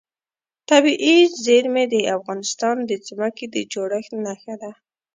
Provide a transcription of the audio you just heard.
طبیعي زیرمې د افغانستان د ځمکې د جوړښت نښه ده.